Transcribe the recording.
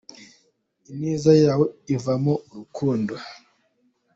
Ineza yawe ivamo urukundo